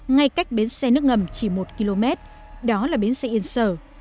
ngay cách bến xe nước ngầm chỉ một km đó là bến xe yên sở